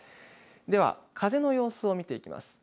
では風の様子を見ていきます。